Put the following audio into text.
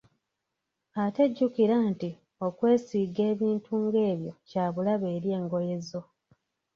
Ate jjukira nti okwesiiga ebintu ng’ebyo kya bulabe eri engoye zo.